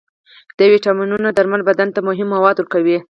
د ویټامینونو درمل بدن ته مهم مواد ورکوي.